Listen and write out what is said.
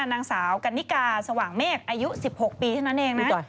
นางสาวกันนิกาสว่างเมฆอายุ๑๖ปีเท่านั้นเองนะ